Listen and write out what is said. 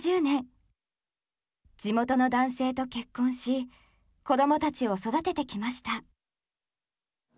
地元の男性と結婚し子供たちを育ててきました。